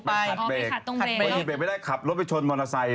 ไปขัดตรงเบรกไม่ได้ขับรถไปชนมอเตอร์ไซด์